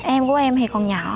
em của em thì còn nhỏ